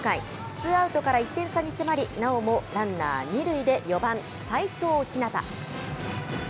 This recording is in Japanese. ツーアウトから１点差に迫り、なおもランナー２塁で４番齋藤陽。